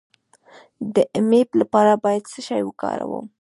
د امیب لپاره باید څه شی وکاروم؟